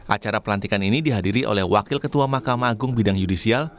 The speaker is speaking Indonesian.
acara pelantikan ini dihadiri oleh wakil ketua mahkamah agung bidang judisial